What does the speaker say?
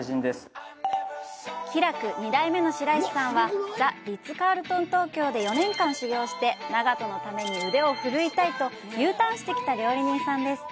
きらく２代目の白石さんはザ・リッツ・カールトン東京で４年間修業して、長門のために腕をふるいたいとＵターンしてきた料理人です。